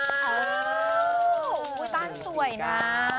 โอ้โหบ้านสวยนะ